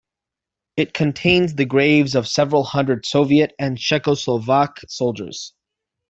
It contains the graves of several hundred Soviet and Czechoslovak soldiers.